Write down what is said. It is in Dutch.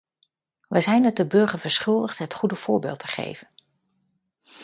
Wij zijn het de burger verschuldigd het goede voorbeeld te geven.